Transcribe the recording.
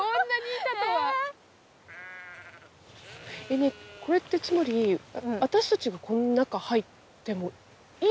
ねねっこれってつまり私たちがこの中入ってもいいの？